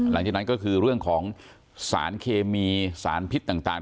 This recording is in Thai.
หลังจากนั้นก็คือเรื่องของสารเคมีสารพิษต่าง